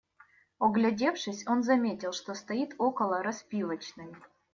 Оглядевшись, он заметил, что стоит около распивочной.